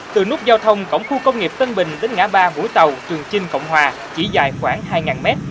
từ nút giao thông cổng khu công nghiệp tân bình đến ngã ba vũng tàu trường chinh cộng hòa chỉ dài khoảng hai m